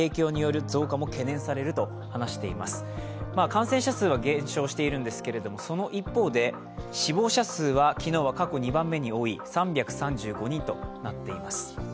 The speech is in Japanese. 感染者数は減少しているんですけれどもその一方で、死亡者数は昨日は過去２番目に多い３３５人となっています。